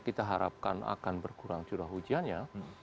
kita harapkan akan berkurang curah hujannya